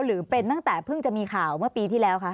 หรือเป็นตั้งแต่เพิ่งจะมีข่าวเมื่อปีที่แล้วคะ